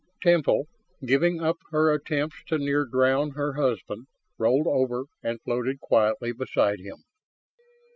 Temple, giving up her attempts to near drown her husband, rolled over and floated quietly beside him.